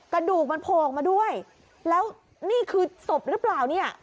กระดูกมันโผล่ออกมาด้วยแล้วนี่คือศพหรือเปล่าเนี่ย